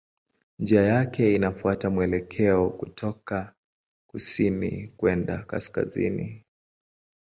Njia yake inafuata mwelekeo kutoka kusini kwenda kaskazini.